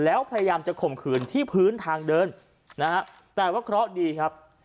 แล้วพยายามจะข่มขืนที่พื้นทางเดินนะฮะแต่ว่าเคราะห์ดีครับ